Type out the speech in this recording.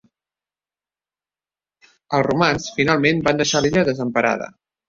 Els romans finalment van deixar l'illa desemparada.